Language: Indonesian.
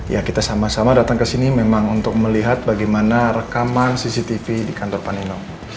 ya kita sama sama datang ke sini memang untuk melihat bagaimana rekaman cctv di kantor panewab